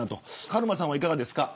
カルマさんは、いかがですか。